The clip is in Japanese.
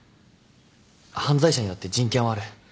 犯罪者にだって人権はある。